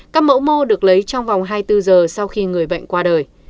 các mẫu mô được lấy trong vòng hai mươi bốn giờ sau khi người bệnh qua đời